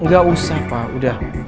gak usah pak udah